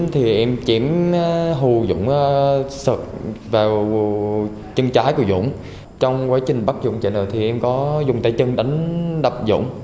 trong quá trình bắt dũng chạy đầu thì em có dùng tay chân đánh đập dũng